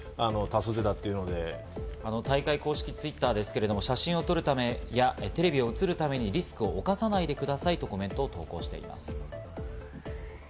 大会公式Ｔｗｉｔｔｅｒで写真を撮るためやテレビに映るためにリスクを犯さないでくださいとコメントを投稿しています。